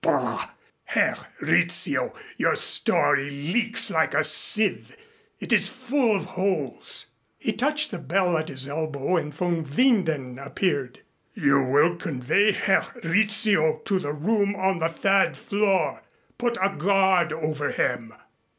Bah! Herr Rizzio, your story leaks like a sieve. It is full of holes." He touched the bell at his elbow and von Winden appeared. "You will convey Herr Rizzio to the room on the third floor. Put a guard over him."